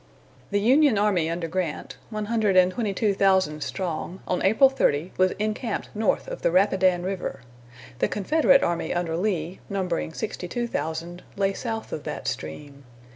The Union army under Grant, one hundred and twenty two thousand strong, on April 30, was encamped north of the Rapidan River. The Confederate army under Lee, numbering sixty two thousand, lay south of that stream.